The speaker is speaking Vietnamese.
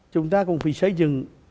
chúng ta cũng phải xây dựng